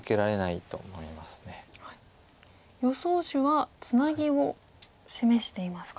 予想手はツナギを示していますか。